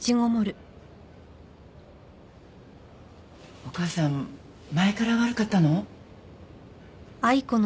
お母さん前から悪かったの？